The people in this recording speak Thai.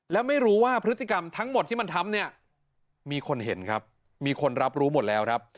และไม่รู้ว่าพฤติกรรมทั้งหมดที่มันทำเนี่ยมีคนเห็นครับมีคนรับรู้หมดแล้วครับ